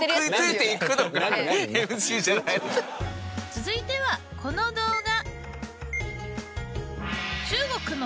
続いてはこの動画。